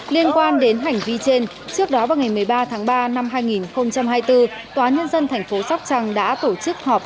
liên quan đến hành vi trên trước đó vào ngày một mươi ba tháng ba năm hai nghìn hai mươi bốn tòa nhân dân thành phố sóc trăng đã tổ chức họp